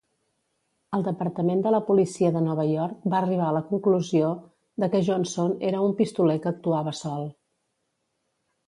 El departament de la policia de Nova York va arribar a la conclusió de que Johnson era un pistoler que actuava sol.